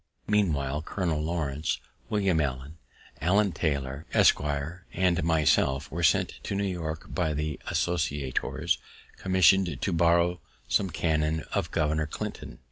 Meanwhile, Colonel Lawrence, William Allen, Abram Taylor, Esqr., and myself were sent to New York by the associators, commission'd to borrow some cannon of Governor Clinton.